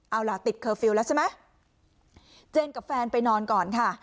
เอาล่ะติดเคอร์ฟิลล์แล้วใช่ไหมเจนกับแฟนไปนอนก่อนค่ะ